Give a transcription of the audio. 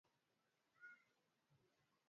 Mpira ni msafi